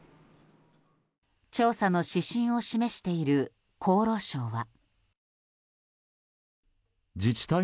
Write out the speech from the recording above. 調査の指針を示している厚労省は。